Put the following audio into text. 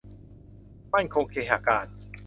มั่นคงเคหะการ